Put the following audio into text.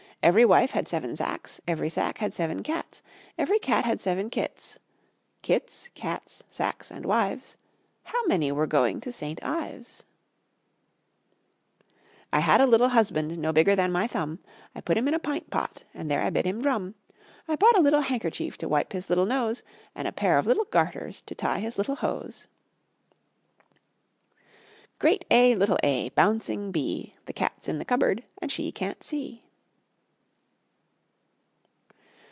Every wife had seven sacks, Every sack had seven cats, Every cat had seven kits. Kits, cats, sacks and wives, How many were going to St. Ives? I had a little husband no bigger than my thumb, I put him in a pint pot, and there I bid him drum; I bought a little handkerchief to wipe his little nose, And a pair of little garters to tie his little hose. Great A, little a, Bouncing B; The cat's in the cupboard, And she can't see.